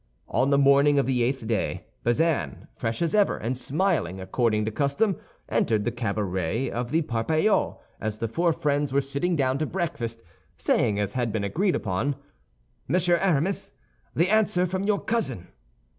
On the morning of the eighth day, Bazin, fresh as ever, and smiling, according to custom, entered the cabaret of the Parpaillot as the four friends were sitting down to breakfast, saying, as had been agreed upon: "Monsieur Aramis, the answer from your cousin."